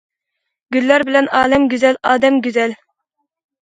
گۈللەر بىلەن ئالەم گۈزەل، ئادەم گۈزەل.